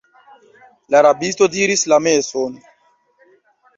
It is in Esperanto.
La rabisto diris la meson!